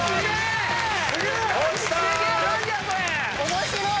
面白い！